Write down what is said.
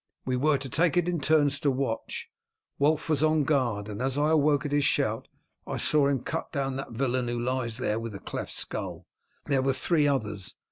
We were to take it in turns to watch. Wulf was on guard, and as I awoke at his shout I saw him cut down that villain who lies there with a cleft skull There were three others.